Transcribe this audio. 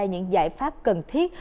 những giải pháp cần thiết